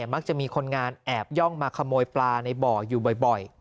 มักจะมีคนงานแอบย่องมาขโมยปลาในบ่ออยู่บ่อย